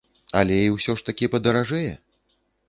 Алей усё ж такі падаражэе?